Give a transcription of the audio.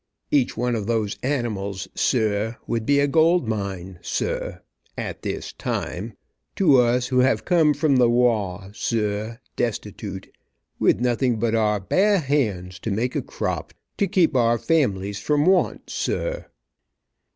Each one of those animals sah, would be a gold mine, sah, at this time, to us who have come from the wah, sah, destitute, with nothing but our bare hands to make a crop, to keep our families from want, sah."